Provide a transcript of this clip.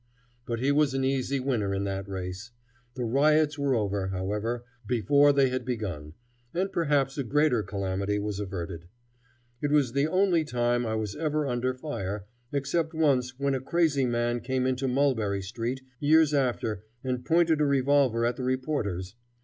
But he was an easy winner in that race. The riots were over, however, before they had begun, and perhaps a greater calamity was averted. It was the only time I was ever under fire, except once when a crazy man came into Mulberry Street years after and pointed a revolver at the reporters.